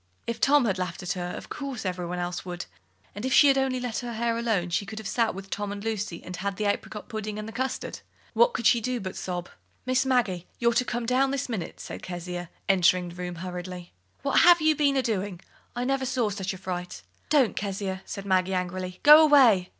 If Tom had laughed at her, of course every one else would; and, if she had only let her hair alone, she could have sat with Tom and Lucy, and had the apricot pudding and the custard! What could she do but sob? "Miss Maggie, you're to come down this minute," said Kezia, entering the room hurriedly. "What have you been a doing? I never saw such a fright!" "Don't, Kezia," said Maggie, angrily. "Go away!"